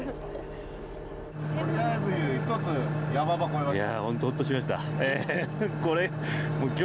とりあえず、１つ山場越えましたね。